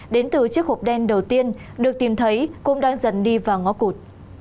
đến từ chiếc hộp đen đầu tiên được tìm thấy cũng đang dần đi vào ngõ cụt